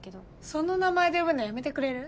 その名前で呼ぶのやめてくれる？